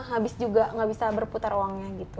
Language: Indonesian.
habis juga nggak bisa berputar uangnya gitu